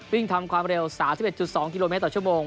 วิ่งทำความเร็ว๓๑๒กิโลเมตรต่อชั่วโมง